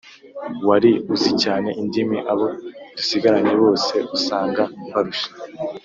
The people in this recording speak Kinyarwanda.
wari uzi cyane indimi Abo dusigaranye bose usanga mbarusha